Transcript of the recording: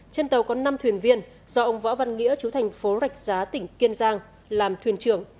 trên tàu có năm thuyền viên do ông võ văn nghĩa chú thành phố rạch giá tỉnh kiên giang làm thuyền trưởng